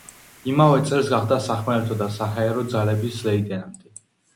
იმავე წელს გახდა სახმელეთო და საჰაერო ძალების ლეიტენანტი.